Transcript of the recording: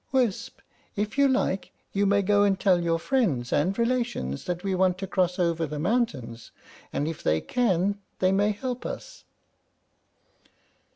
Wisp, if you like, you may go and tell your friends and relations that we want to cross over the mountains, and if they can they may help us."